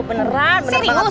beneran bener banget